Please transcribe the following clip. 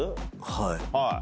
はい。